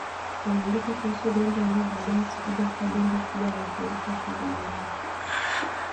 kuandikwa kuhusu ugonjwa ambao baadae utakuja kuwa janga kubwa la upungufu wa kinga mwilini